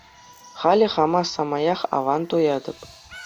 Халӗ хама самаях аван туятӑп.